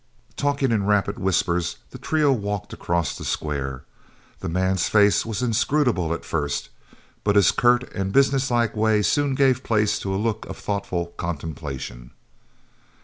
Talking in rapid whispers, the trio walked across the Square. The man's face was inscrutable at first, but his curt and business like way soon gave place to a look of thoughtful contemplation.